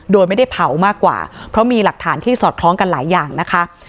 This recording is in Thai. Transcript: โดยไม่ได้เผามากกว่าเพราะมีหลักฐานที่สอดคล้องกันหลายอย่างนะคะ